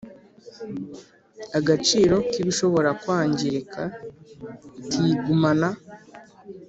Agaciro k ibishobora kwangirika kigumana